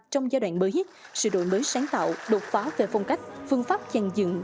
trong giai đoạn mới sự đổi mới sáng tạo đột phá về phong cách phương pháp dàn dựng